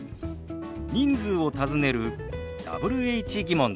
人数を尋ねるＷｈ−疑問です。